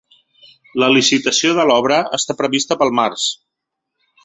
La licitació de l’obra està prevista pel març.